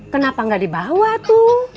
kenapa nggak dibawa tuh